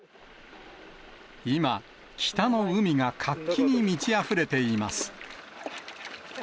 今、北の海が活気に満ちあふれています。